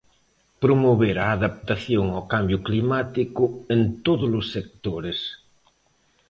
Promover a adaptación ao cambio climático en todos os sectores.